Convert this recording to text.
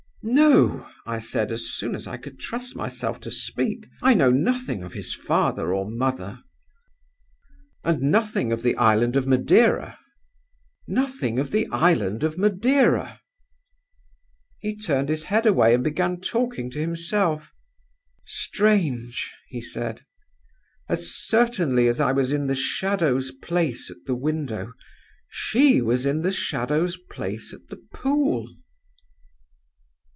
"'No,' I said, as soon as I could trust myself to speak. 'I know nothing of his father or mother.' "'And nothing of the island of Madeira?' "'Nothing of the island of Madeira.' "He turned his head away, and began talking to himself. "'Strange!' he said. 'As certainly as I was in the Shadow's place at the window, she was in the Shadow's place at the pool!